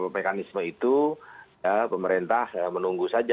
mekanisme itu ya pemerintah menunggu saja